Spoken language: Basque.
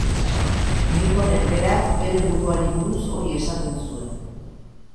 Newtonek berak bere buruari buruz hori esaten zuen.